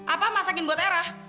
apa masakin buat erah